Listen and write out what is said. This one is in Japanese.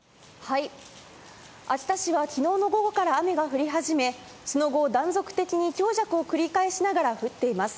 秋田市は、きのうの午後から雨が降り始め、その後、断続的に強弱を繰り返しながら降っています。